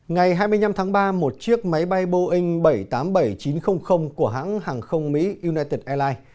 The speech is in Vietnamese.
ngày hai mươi năm tháng ba một chiếc máy bay boeing bảy trăm tám mươi bảy chín trăm linh của hãng hàng không mỹ united airlines